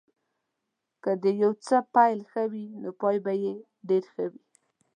که د یو څه پيل ښه وي نو پای به یې ډېر ښه وي.